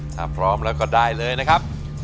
ถ้าพร้อมแล้วก็ได้เลยนะครับ